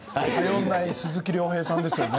鈴木亮平さんですよね？